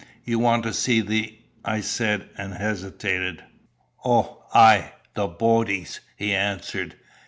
"You want to see the " I said, and hesitated. "Ow ay the boadies," he answered.